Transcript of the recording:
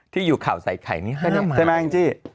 ที่อยู่ข่าวใส่ไข่นี้๕นาที